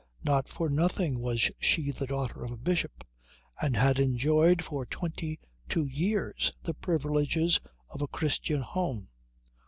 Not for nothing was she the daughter of a bishop, and had enjoyed for twenty two years the privileges of a Christian home.